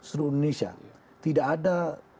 indonesia tidak ada